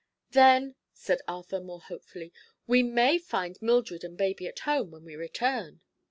"Then," said Arthur, more hopefully, "we may find Mildred and baby at home, when we return."